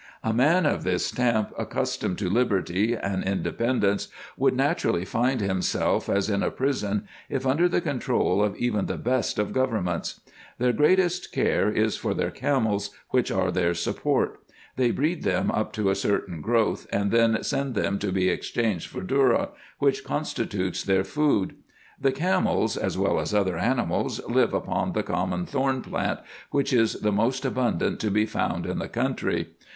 A man of this stamp, accustomed to liberty and independence, would naturally find himself as in a prison, if under the control of even the best of governments. Their greatest care is for their camels, which are their support. They breed them up to a certain growth, and then send them to be exchanged for dhourra, which constitutes their food. The camels, as well as other animals, live upon the common thorn plant, which is the most abundant to be found in the country.